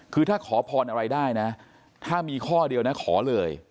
คือถ้าขอพรอะไรได้นะถ้ามีข้อเดียวนะขอเลย